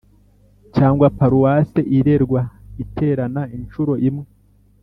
Cyangwa Paruwase irerwa iterana inshuro imwe